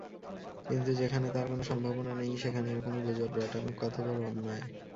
কিন্তু যেখানে তার কোনো সম্ভাবনা নেই সেখানে এরকম গুজব রটানো কত বড়ো অন্যায়!